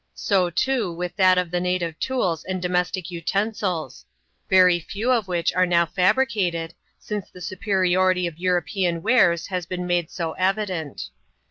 So, too, with that of the native tools and domestic utensils ; very few of which are now fabricated, since the superiority of European wares has been made so evident.